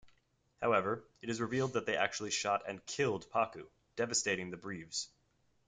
However, it is revealed that they actually shot and killed Pacu, devastating the Breves.